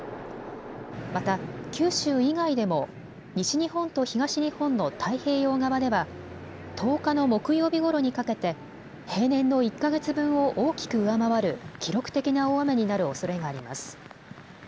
また九州以外でも西日本と東日本の太平洋側では１０日の木曜日ごろにかけて平年の１か月分を大きく上回る記録的な大雨になるおそれがあります。